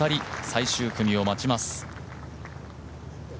最終組を待ちます。